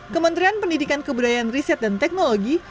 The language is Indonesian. kementerian pendidikan kebudayaan riset dan teknologi